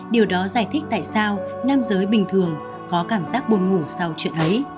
điều đó giải thích tại sao nam giới bình thường có cảm giác buồn ngủ sau chuyện ấy